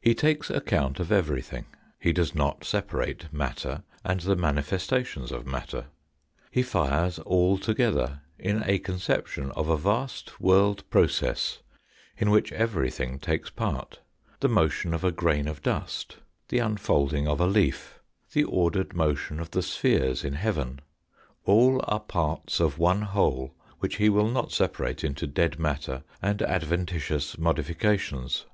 He takes account of everything ; he does not separate matter and the manifestation of matter ; he fires all together in a conception of a vast world process in which everything takes part the motion of a grain of dust, the unfolding of a leaf, the ordered motion of the spheres in heaven all are parts of one whole which he will not separate into dead matter and adventitious modifications.